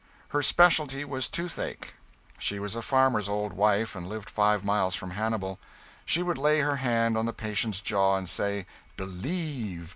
Her specialty was toothache. She was a farmer's old wife, and lived five miles from Hannibal. She would lay her hand on the patient's jaw and say "Believe!"